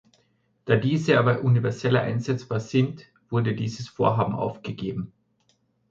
Da diese aber universeller einsetzbar sind, wurde dieses Vorhaben aufgegeben.